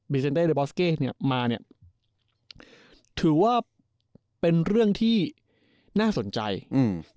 เซ็นเด้เรบอสเก้เนี้ยมาเนี้ยถือว่าเป็นเรื่องที่น่าสนใจอืม